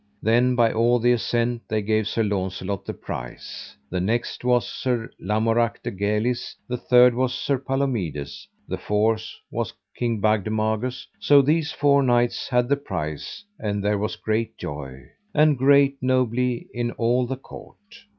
Then by all the assent they gave Sir Launcelot the prize, the next was Sir Lamorak de Galis, the third was Sir Palomides, the fourth was King Bagdemagus; so these four knights had the prize, and there was great joy, and great nobley in all the court.